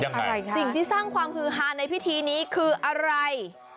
อะไรคะสิ่งที่สร้างความฮือฮาในพิธีนี้คืออะไร